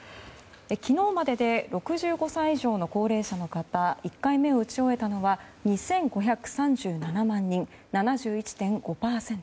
昨日までで６５歳以上の高齢者の方で１回目を打ち終えたのは２５３７万人７１．５％。